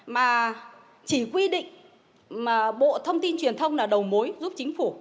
mà chỉ quy định mà bộ thông tin truyền thông là đầu mối giúp chính phủ